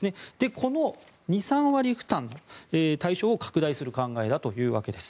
この２３割負担の対象を拡大する考えというわけです。